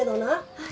はい。